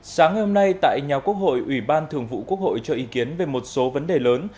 sáng hôm nay tại nhà quốc hội ủy ban thường vụ quốc hội cho ý kiến về một số vấn đề lớn